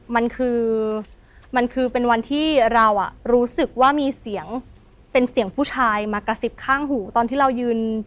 มันคือเป็นวันที่เรารู้สึกว่ามีเสียงเป็นเสียงผู้ชายมากระสิบข้างหู